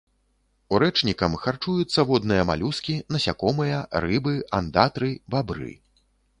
Урэчнікам харчуюцца водныя малюскі, насякомыя, рыбы, андатры, бабры.